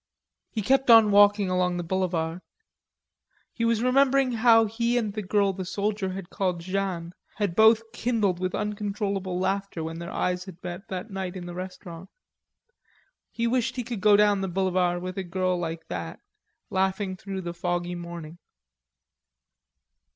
He kept on walking along the boulevard. He was remembering how he and the girl the soldier had called Jeanne had both kindled with uncontrollable laughter when their eyes had met that night in the restaurant. He wished he could go down the boulevard with a girl like that, laughing through the foggy morning.